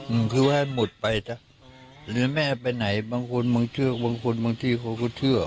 อืมคือให้หมดไปจ้ะหรือแม่ไปไหนบางคนบางเชื่อบางคนบางทีเขาก็เชื่อ